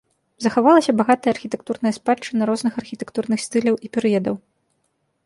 Захавалася багатая архітэктурная спадчына розных архітэктурных стыляў і перыядаў.